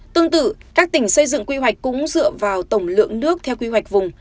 tương tự các tỉnh xây dựng quy hoạch cũng dựa vào tổng lượng nước theo quy hoạch vùng